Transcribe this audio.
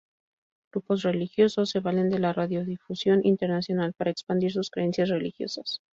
Grupos religiosos se valen de la radiodifusión internacional para expandir sus creencias religiosas.